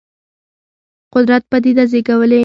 قدرت پدیده زېږولې.